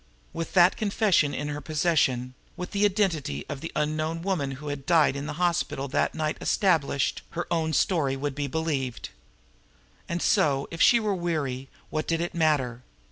With that confession in her possession, with the identity of the unknown woman who had died in the hospital that night established, her own story would be believed. And so, if she were weary, what did it matter?